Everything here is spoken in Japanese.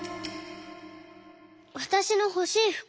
「わたしのほしいふく。